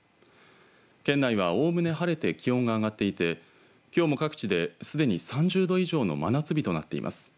県内は、おおむね晴れて気温が上がっていてきょうも各地ですでに３０度以上の真夏日となっています。